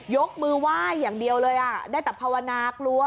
ยกมือไหว้อย่างเดียวเลยได้แต่ภาวนากลัว